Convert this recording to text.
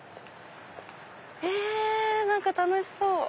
へぇ何か楽しそう！